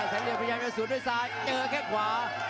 เหลี่ยพยายามจะสวนด้วยซ้ายเจอแค่ขวา